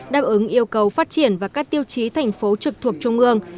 đáp ứng yêu cầu phát triển và các tiêu chí thành phố trực thuộc trung ương